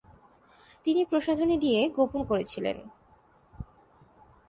তিনি প্রসাধনী দিয়ে গোপন করেছিলেন।